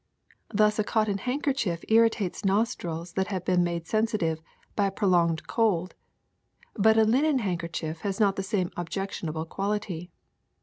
Thus a cotton handker chief irritates nostrils that have been made sensitive by a prolonged cold ; but a linen handkerchief has not the same objectionable quality.